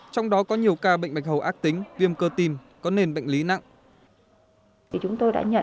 trong đó có nhiều ca bệnh bạch hầu ác tính viêm cơ tim có nền bệnh lý nặng